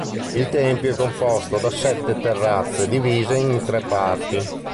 Il tempio è composto da sette terrazze, divise in tre parti.